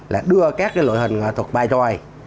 là đưa các cái lội hình thuộc bài tròi